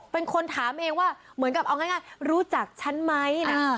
เป็นคนถามเองว่าเหมือนกับเอาง่ายรู้จักฉันไหมนะ